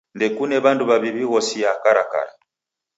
Ndekune w'andu w'aw'i w'ighosiaa karakara.